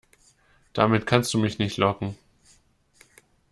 Damit kannst du mich nicht locken.